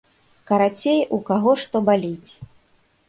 Карацей, у каго што баліць.